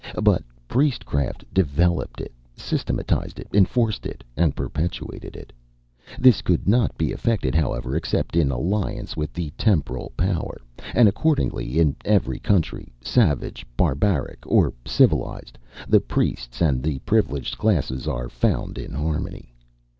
But priestcraft developed it, systematised it, enforced it, and perpetuated it. This could not be effected, however, except in alliance with the temporal power; and accordingly, in every country savage, barbaric, or civilised the priests and the privileged classes are found in harmony.